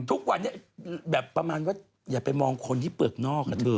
ทุกวันนี้แบบประมาณว่าอย่าไปมองคนที่เปลือกนอกอะเธอ